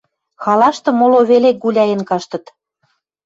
Халашты моло веле гуляен каштыт.